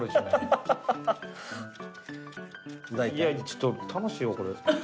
ちょっと楽しいわこれ。